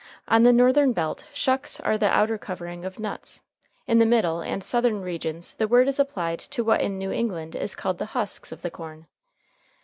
On the northern belt, shucks are the outer covering of nuts; in the middle and southern regions the word is applied to what in New England is called the husks of the corn.